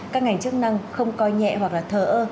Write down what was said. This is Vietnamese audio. các ngành chức năng không coi nhẹ hoặc là thờ ơ